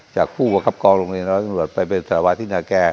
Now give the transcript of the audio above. จากผู้ประกับกองโรงเรียน๑๐๐ตำรวจไปไปสารวัตินาแก่